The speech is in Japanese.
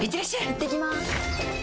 いってきます！